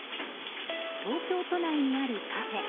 東京都内にあるカフェ。